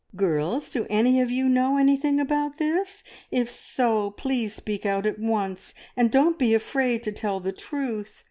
Girls, do any of you know anything about this? If so, please speak out at once, and don't be afraid to tell the truth.